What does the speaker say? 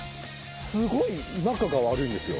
すごい仲が悪いんですよ。